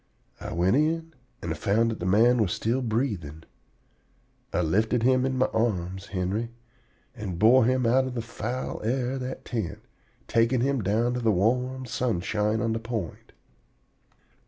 I went in, and found that the man was still breathing. I lifted him in my arms, Henry, and bore him out of the foul air of that tent, taking him down to the warm sunshine on the point.